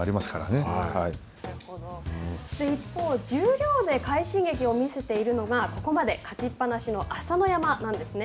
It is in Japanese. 一方、十両で快進撃を見せているのが、ここまで勝ちっぱなしの朝乃山なんですね。